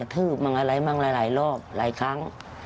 ถืบมังอะไรมังอะไรหลายรอบหลายครั้ง